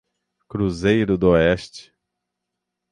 Cruzeiro do Oeste